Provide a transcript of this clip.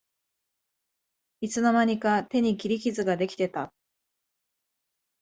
いつの間にか手に切り傷ができてた